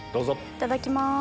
いただきます。